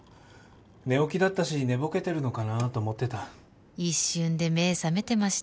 寝起きだったし寝ぼけてるのかなと思ってた一瞬で目覚めてました